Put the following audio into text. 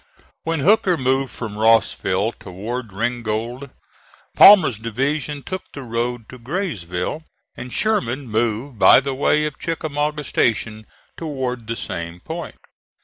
When Hooker moved from Rossville toward Ringgold Palmer's division took the road to Graysville, and Sherman moved by the way of Chickamauga Station toward the same point.